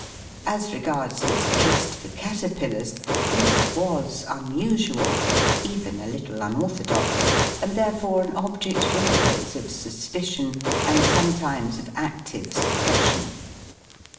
^'' As regards his taSle for caterpillarSy this was unmualy even a little unorthodox, and therefore an objed always of suspicion, and sometimes of adive suppression.